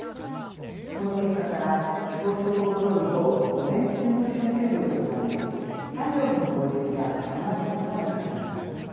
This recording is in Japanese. この結果から朝食をとると午前中の集中力が増し作業の効率が高まることが分かります。